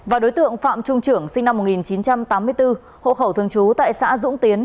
và đối tượng phạm trung trưởng sinh năm một nghìn chín trăm tám mươi bốn hộ khẩu thường trú tại xã dũng tiến